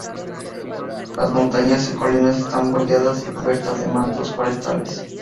Las montañas y colinas están bordeadas y cubiertas de mantos forestales.